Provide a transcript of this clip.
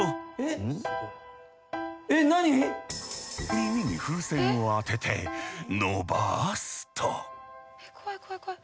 耳に風船を当てて伸ばすと。